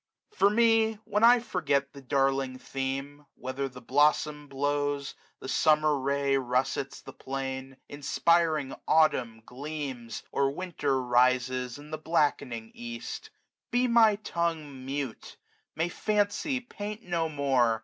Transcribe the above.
For me, when I forget the darling theme, "Whether the blossom blows, the Summer ray 95 Russets the plain, inspiring Autumn gleams. Or Winter rises in the blackening east; Be my tongue mute, may fancy paint no more.